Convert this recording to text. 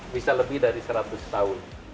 bisa lebih dari seratus tahun